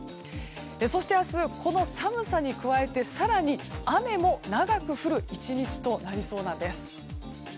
そして明日、この寒さに加えて更に雨も長く降る１日となりそうなんです。